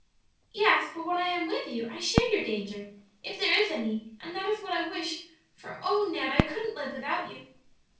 "Yes; but when I am with you I share your danger, if there is any, and that is what I wish; for oh, Ned, I couldn't live without you!"